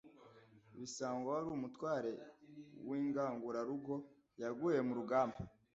Bisangwa wari umutware w’Ingangurarugo yaguye mu rugamba